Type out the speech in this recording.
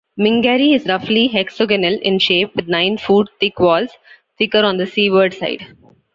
Mingarry is roughly hexagonal in shape with nine-foot-thick walls, thicker on the seaward side.